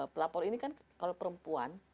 pelapor ini kan kalau perempuan